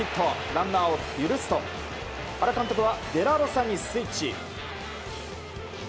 ランナーを許すと原監督はデラロサにスイッチ。